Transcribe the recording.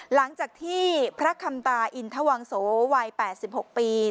หลังจากที่พระคำตาอินทวังโสวัย๘๖ปี